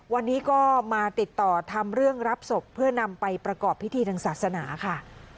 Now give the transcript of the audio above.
วันนี้ก็มาติดต่อทำเรื่องรับศพเพื่อนำไปประกอบพิธีทางศาสนาค่ะ